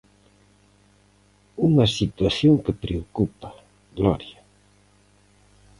Unha situación que preocupa, Gloria.